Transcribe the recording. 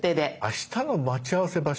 あしたの待ち合わせ場所？